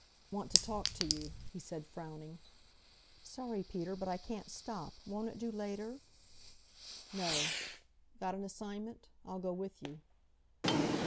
"Want to talk to you," he said, frowning. "Sorry, Peter, but I can't stop. Won't it do later?" "No. Got an assignment? I'll go with you."